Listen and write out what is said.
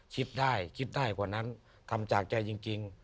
คิดได้คิดได้กว่านั้นทำจากใจจริง